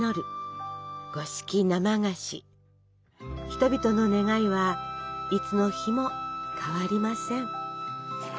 人々の願いはいつの日も変わりません。